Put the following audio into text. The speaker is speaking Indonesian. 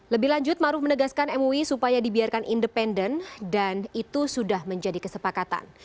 lebih lanjut maruf menegaskan mui supaya dibiarkan independen dan itu sudah menjadi kesepakatan